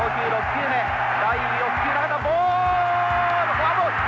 フォアボール。